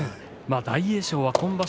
大栄翔、今場所